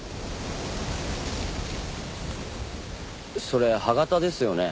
それ歯形ですよね？